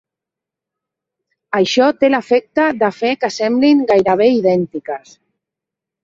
Això té l'efecte de fer que semblin gairebé idèntiques.